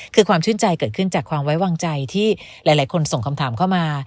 คือความชื่นใจเกิดขึ้นจากความไว้วางใจที่หลายคนส่งคำถามเข้ามา